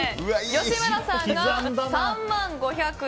吉村さんが３万５００円。